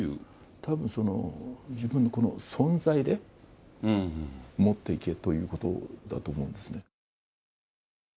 たぶん、自分のこの存在で持っていけということだと思うんですね。